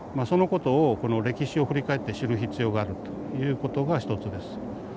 そのことをこの歴史を振り返って知る必要があるということが一つです。